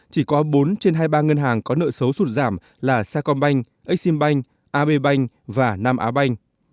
chỉ có bốn trên hai mươi ba ngân hàng có nợ xấu sụt giảm là sacombank eximbank abbank và namabank